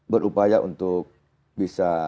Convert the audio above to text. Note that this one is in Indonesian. berupaya untuk bisa